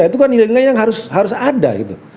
itu kan nilainya yang harus ada gitu